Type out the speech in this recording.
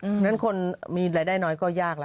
อย่างนั้นคนที่มีรายได้น้อยก็ยากละ